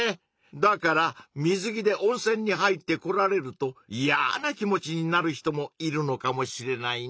だから水着で温泉に入ってこられるといやな気持ちになる人もいるのかもしれないね。